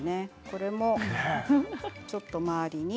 これも、ちょっと周りに。